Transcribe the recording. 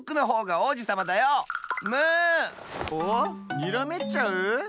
おっにらめっちゃう？